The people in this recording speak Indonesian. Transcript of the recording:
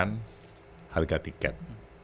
menaikkan harga tiket